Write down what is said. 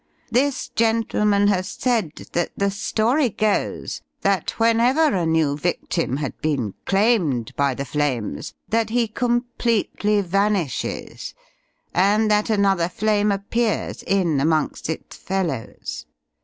This gentleman has said that the story goes that whenever a new victim had been claimed by the flames, that he completely vanishes, and that another flame appears in amongst its fellows.